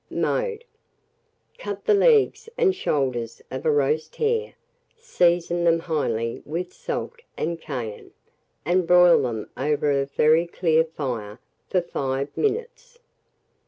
Mode. Cut the legs and shoulders of a roast hare, season them highly with salt and cayenne, and broil them over a very clear fire for 5 minutes.